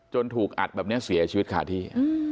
ถูกอัดแบบนี้เสียชีวิตคาที่